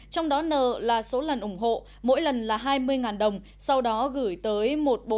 trong đó n là số lần ủng hộ mỗi lần là hai mươi đồng sau đó gửi tới một nghìn bốn trăm linh bảy